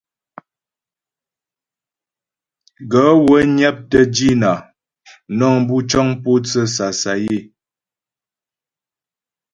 Gaə̂ wə́ nyaptə́ dínà nəŋ bu cəŋ mpótsə́ sasayə́.